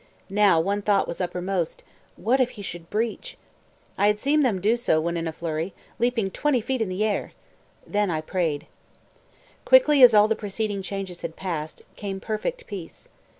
Now, one thought was uppermost "What if he should breach?" I had seen them do so when in flurry, leaping full twenty feet in the air. Then I prayed. Quickly as all the preceding changes had passed, came perfect peace.